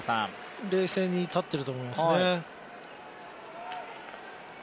冷静に立っていると思いますね。